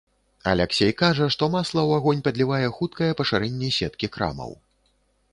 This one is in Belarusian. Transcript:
Аляксей кажа, што масла ў агонь падлівае хуткае пашырэнне сеткі крамаў.